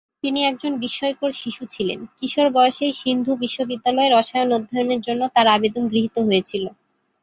তিনি একজন বিস্ময়কর শিশু ছিলেন, কিশোর বয়সেই সিন্ধু বিশ্ববিদ্যালয়ে রসায়ন অধ্যয়নের জন্য তাঁর আবেদন গৃহীত হয়েছিল।